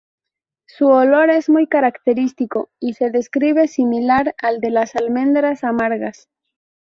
Su olor es muy característico, y se describe similar al de las almendras amargas.